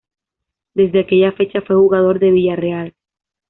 Desde aquella fecha fue jugador del Villarreal.